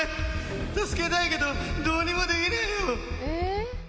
助けたいけど、どうにもできねぇよ。